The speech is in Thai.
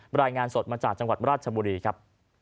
รายงานสดมาจากจังหวัดราชบุรีครับ